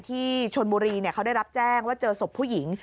ที่ชนบุรีเขาได้รับแจ้งว่าเจอศพผู้หญิง